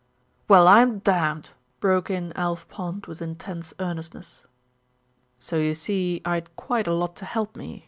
"Well, I'm damned!" broke in Alf Pond, with intense earnestness. "So you see, I had quite a lot to help me.